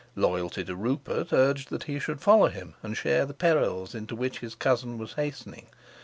Loyalty to Rupert urged that he should follow him and share the perils into which his cousin was hastening.